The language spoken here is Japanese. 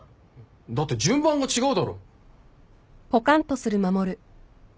だって順番が違うだろ。